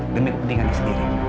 demi kepentingan dia sendiri